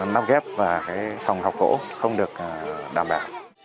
nắp ghép và cái phòng học gỗ không được đảm bảo